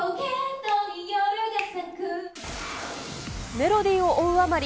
メロディーを追うあまり、